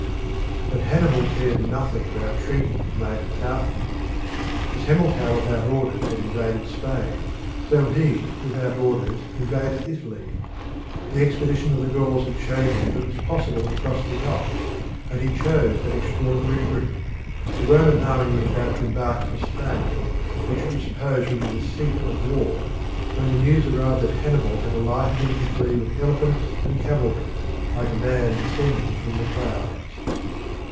But Hannibal cared nothing about treaties made at Carthage. As Hamilcar without orders had invaded Spain, so he without orders invaded Italy. The expedition of the Gauls had shown him that it was possible to cross the Alps, and he chose that extraordinary route. The Roman army was about to embark for Spain, which it was supposed would be the seat or war, when the news arrived that Hannibal had alighted in Italy with elephants and cavalry, like a man descending from the clouds.